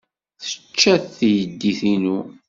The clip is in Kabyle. Tečča-tt teydit-inu.